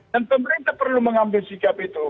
dan pemerintah perlu mengambil sikap itu